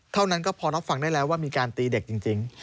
เท่านั้นก็พอรับฟังได้แล้วว่ามีการตีเด็กจริง